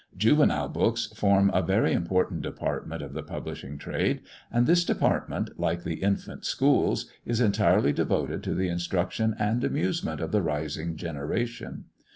Juvenile books form a very important department of the publishing trade; and this department, like the infant schools, is entirely devoted to the instruction and amusement of the rising generation.